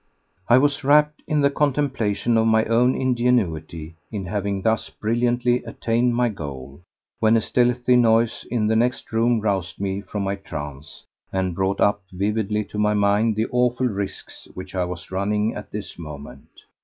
I was rapt in the contemplation of my own ingenuity in having thus brilliantly attained my goal, when a stealthy noise in the next room roused me from my trance and brought up vividly to my mind the awful risks which I was running at this moment.